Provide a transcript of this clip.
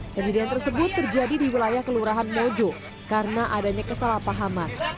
kejadian tersebut terjadi di wilayah kelurahan mojo karena adanya kesalahpahaman